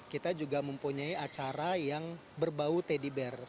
kita juga mempunyai acara yang berbau teddy bers